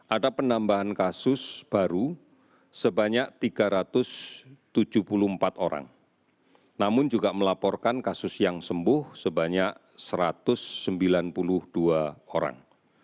ada penambahan kasus baru sebanyak tiga ratus tujuh puluh empat orang namun juga melaporkan kasus yang sembuh sebanyak satu ratus sembilan puluh dua orang